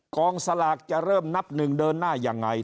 กองสลากจะเริ่มนับหนึ่งเดินหน้ายังไง